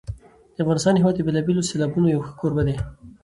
د افغانستان هېواد د بېلابېلو سیلابونو یو ښه کوربه دی.